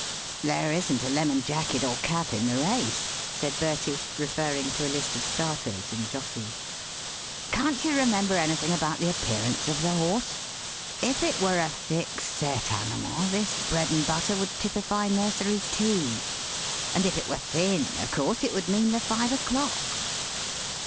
"There isn't a lemon jacket or cap in the race," said Bertie, referring to a list of starters and jockeys; "can't you remember anything about the appearance of the horse? If it were a thick set animal, this bread and butter would typify Nursery Tea; and if it were thin, of course, it would mean Le Five O'Clock."